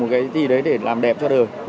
một cái gì đấy để làm đẹp cho đời